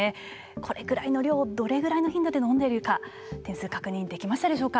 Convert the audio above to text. これぐらい量をどれぐらいの頻度で飲んでいるか点数を確認できましたでしょうか。